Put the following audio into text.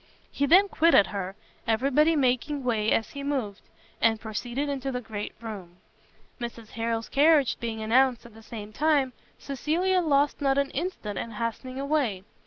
He then quitted her, every body making way as he moved, and proceeded into the great room. Mrs Harrel's carriage being announced at the same time, Cecilia lost not an instant in hastening away.